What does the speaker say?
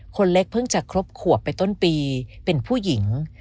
คนเล็กเพิ่งจะครบขวบไปต้นปีเป็นผู้หญิง